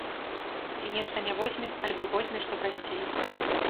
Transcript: Ці нешта не возьме, альбо возьме што прасцей.